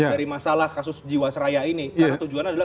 dari masalah kasus jiwaseraya ini karena tujuan adalah